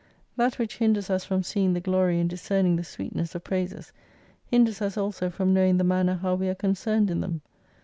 That which hinders us from seeing the glory and discerning the sweetness of praises hinders us also from knowing the manner how we are concerned in them.